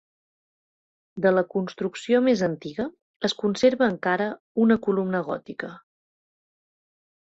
De la construcció més antiga es conserva encara una columna gòtica.